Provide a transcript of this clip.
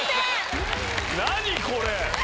何これ。